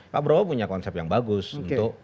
pak prabowo punya konsep yang bagus untuk